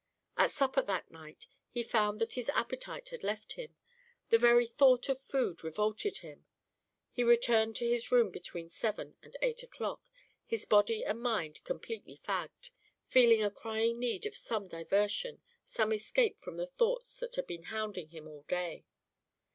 At supper that night he found that his appetite had left him; the very thought of food revolted him. He returned to his room between seven and eight o'clock, his body and mind completely fagged, feeling a crying need of some diversion, some escape from the thoughts that had been hounding him all day.